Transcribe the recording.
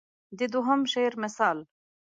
د دوهم شعر مثال.